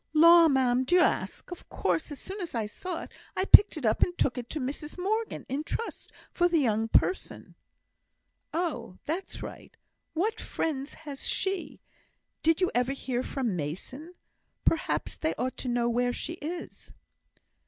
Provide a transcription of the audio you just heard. "Law, ma'am! do you ask? Of course, as soon as I saw it, I picked it up and took it to Mrs Morgan, in trust for the young person." "Oh, that's right. What friends has she? Did you ever hear from Mason? perhaps they ought to know where she is."